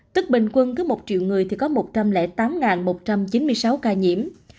tức bình quân cứ một triệu người thì có một trăm linh tám một trăm chín mươi sáu ca nhiễm